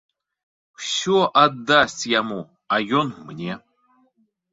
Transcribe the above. Усё аддасць яму, а ён мне.